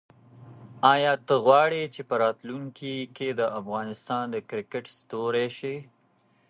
آیا ته غواړې چې په راتلونکي کې د افغانستان د کرکټ ستوری شې؟